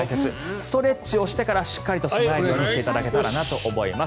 ストレッチをしてからしっかりと備えるようにしていただけたらと思います。